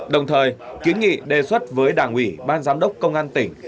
đồng thời kiến nghị đề xuất với đảng ủy ban giám đốc công an tỉnh